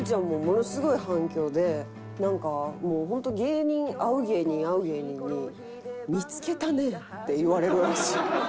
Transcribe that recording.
もうものすごい反響でなんかもう本当芸人会う芸人会う芸人に「見付けたね」って言われるらしい。